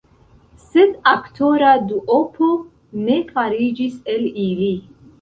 Sed aktora duopo ne fariĝis el ili.